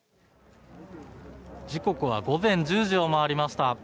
時刻は午前１０時をまわりました。